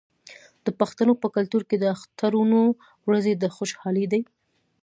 د پښتنو په کلتور کې د اخترونو ورځې د خوشحالۍ دي.